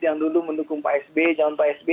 yang dulu mendukung pak sb jaman pak sb